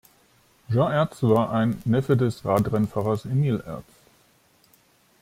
Jean Aerts war ein Neffe des Radrennfahrers Emile Aerts.